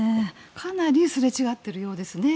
かなりすれ違ってるようですね。